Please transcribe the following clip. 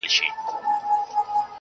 ټوله نــــړۍ راپسي مه ږغوه.